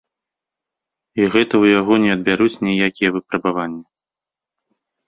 І гэта ў яго не адбяруць ніякія выпрабаванні.